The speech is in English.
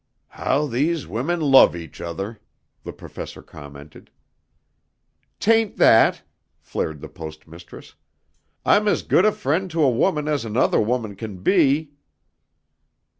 "How these women love each other," the Professor commented. "'Tain't that," flared the Post Mistress. "I'm as good a friend to a woman as another woman can be...."